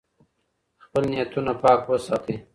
خپل نیتونه پاک وساتئ.